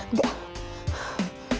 gak gak gak